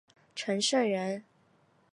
陈胜人。